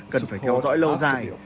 cần phải theo dõi lâu dài